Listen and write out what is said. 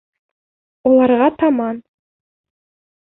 Уларға таман.